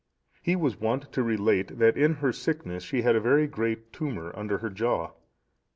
He was wont to relate that in her sickness she had a very great tumour under her jaw.